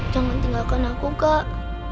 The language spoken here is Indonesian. jangan tinggalkan aku kak